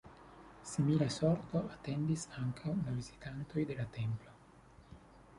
Simila sorto atendis ankaŭ la vizitantojn de la templo.